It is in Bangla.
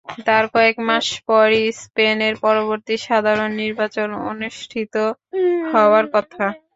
তার কয়েক মাস পরই স্পেনের পরবর্তী সাধারণ নির্বাচন অনুষ্ঠিত হওয়ার কথা।